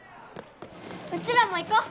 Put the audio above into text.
うちらも行こう。